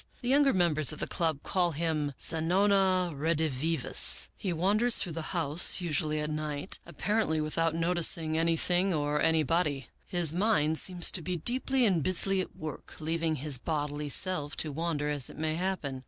The younger members of the club call him ' Zanona Redivivus.' He wan ders through the house usually late at night, apparently 66 Melville Davisson Post without noticing anything or anybody. His mind seems to be deeply and busily at work, leaving his bodily self to wan der as it may happen.